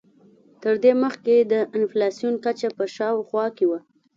تر دې مخکې د انفلاسیون کچه په شاوخوا کې وه.